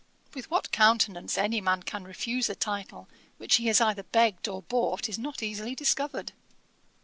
With what countenance any man can refuse the title which he has either begged or bought, is not easily discovered.